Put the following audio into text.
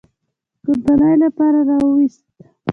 د قربانۍ لپاره راوست.